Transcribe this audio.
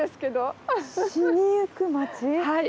はい。